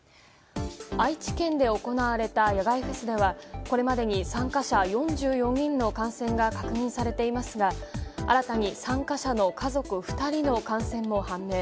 愛知県で行われた野外フェスではこれまでに参加者４４人の感染が確認されていますが新たに参加者の家族２人の感染も判明。